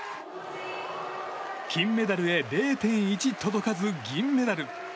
金メダルへ０．１届かず銀メダル。